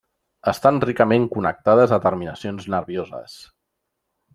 Estan ricament connectades a terminacions nervioses.